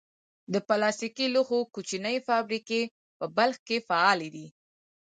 د پلاستیکي لوښو کوچنۍ فابریکې په بلخ کې فعالې دي.